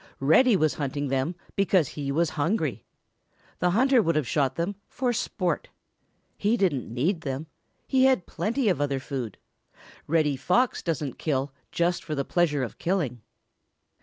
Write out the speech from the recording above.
Reddy was hunting them because he was hungry. The hunter would have shot them for sport. He didn't need them. He had plenty of other food. Reddy Fox doesn't kill just for the pleasure of killing.